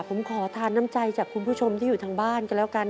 ผมขอทานน้ำใจจากคุณผู้ชมที่อยู่ทางบ้านกันแล้วกัน